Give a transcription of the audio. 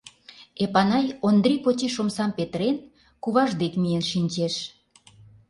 Эпанай, Ондрий почеш омсам петырен, куваж дек миен шинчеш.